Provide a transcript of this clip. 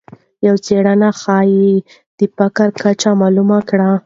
یوه څېړنه ښایي د فقر کچه معلومه کړي.